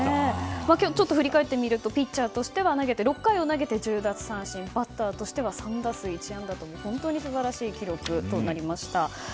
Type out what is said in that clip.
今日を振り返ってみるとピッチャーとしては６回を投げて１０奪三振バッターとしては３打数１安打という素晴らしい記録となりました。